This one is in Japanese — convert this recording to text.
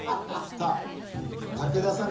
さあ武田さん